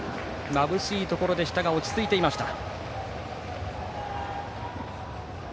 まぶしいところでしたが落ち着いていました。